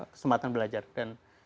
kesempatan belajar dan